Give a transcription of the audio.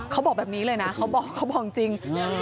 เขาบอกแบบนี้เลยนะจริง